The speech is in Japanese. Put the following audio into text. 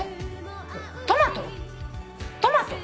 トマトトマト？